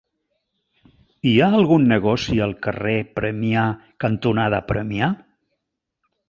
Hi ha algun negoci al carrer Premià cantonada Premià?